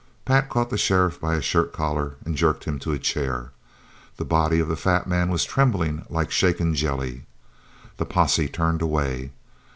Pat caught the sheriff by his shirt collar and jerked him to a chair. The body of the fat man was trembling like shaken jelly. The posse turned away.